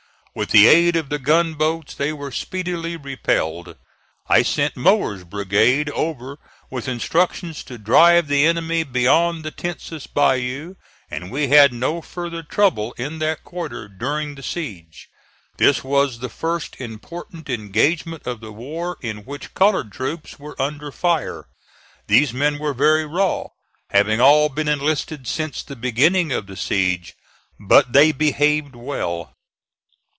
With the aid of the gunboats they were speedily repelled. I sent Mower's brigade over with instructions to drive the enemy beyond the Tensas Bayou; and we had no further trouble in that quarter during the siege. This was the first important engagement of the war in which colored troops were under fire. These men were very raw, having all been enlisted since the beginning of the siege, but they behaved well.